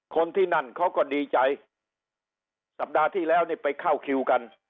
คนที่นั่นเขาก็ดีใจสัปดาห์ที่แล้วนี่ไปเข้าคิวกัน